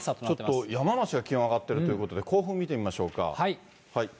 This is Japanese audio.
ちょっと山梨が気温上がってるということで、甲府見てみましょうか。